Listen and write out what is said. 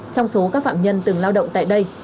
trong số các phạm nhân từng lao động tại đây